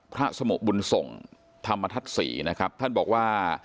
พระสมบุญส่งธรรมทัศน์สี่ท่านบอกว่า